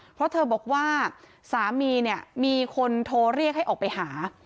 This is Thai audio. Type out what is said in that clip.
เพราะเธอบอกว่าสามีเนี่ยมีคนโทรเรียกให้ออกไปหา